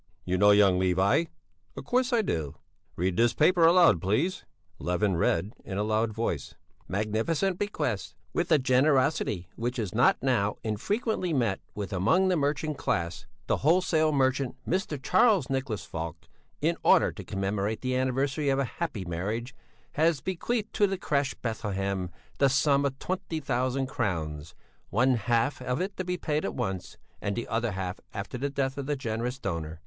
"You know young Levi?" "Of course I do!" "Read this paper, aloud, please!" Levin read, in a loud voice: "Magnificent bequest: With a generosity which is not now infrequently met with among the merchant class, the wholesale merchant Mr. Charles Nicholas Falk, in order to commemorate the anniversary of a happy marriage, has bequeathed to the crèche 'Bethlehem' the sum of twenty thousand crowns, one half of it to be paid at once, and the other half after the death of the generous donor.